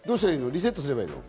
リセットすればいいの？